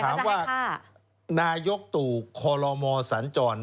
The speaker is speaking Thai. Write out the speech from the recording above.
ถามว่านายกตู่คอลโลมสัญจร